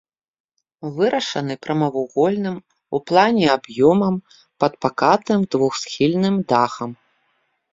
Вырашаны прамавугольным у плане аб'ёмам пад пакатым двухсхільным дахам.